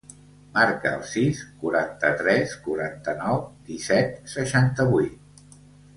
Marca el sis, quaranta-tres, quaranta-nou, disset, seixanta-vuit.